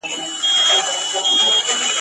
د ریشتیا پر میدان ټوله دروغجن یو ..